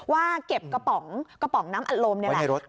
ว่าเก็บกระป๋องน้ำอัตโลมนี่แหละ